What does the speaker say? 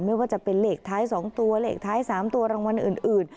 ไม่ว่าจะเป็นเลขท้าย๒ตัวเลขท้าย๓ตัวรางวัลอื่น